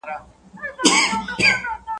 o چي زر وي، زاري نسته.